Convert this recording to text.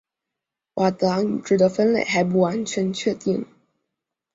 佤德昂语支的分类还不完全确定。